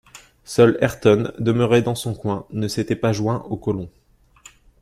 Seul, Ayrton, demeuré dans son coin, ne s’était pas joint aux colons.